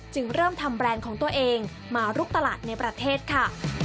จึงเริ่มทำแบรนด์ของตัวเองมาลุกตลาดในประเทศค่ะ